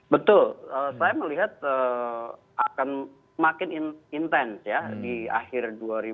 betul saya melihat akan makin intens ya di akhir dua ribu dua puluh